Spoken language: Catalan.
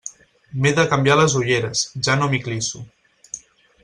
M'he de canviar les ulleres, ja no m'hi clisso.